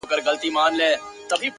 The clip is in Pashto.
زه يې په هر ټال کي اویا زره غمونه وينم؛